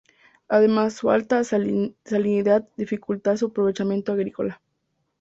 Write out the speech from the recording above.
Además, su alta salinidad dificulta su aprovechamiento agrícola.